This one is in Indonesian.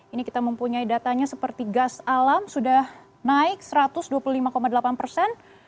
ini kita mempunyai datanya seperti gas alam sudah naik satu ratus dua puluh lima delapan persen